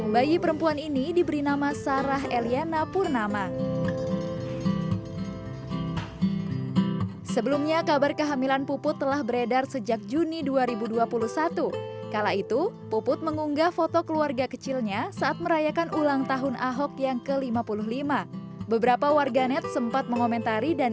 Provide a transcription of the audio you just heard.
bayi perempuan ini diberi nama sarah eliana purnama